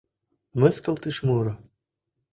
Мыскылтыш муро